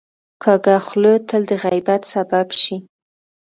کوږه خوله تل د غیبت سبب شي